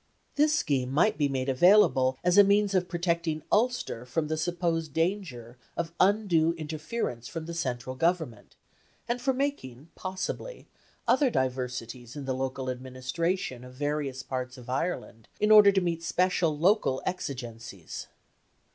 This scheme might be made available as a means of protecting Ulster from the supposed danger of undue interference from the Central Government, and for making, possibly, other diversities in the local administration of various parts of Ireland in order to meet special local exigencies.